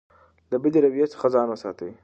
له بدې رویې څخه ځان وساتئ.